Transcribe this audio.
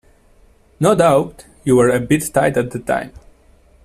No doubt you were a bit tight at the time.